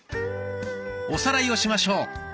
おさらいをしましょう。